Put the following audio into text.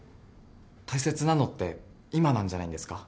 大切なのって今なんじゃないんですか？